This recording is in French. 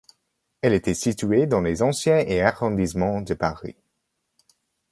Elle était située dans les anciens et arrondissements de Paris.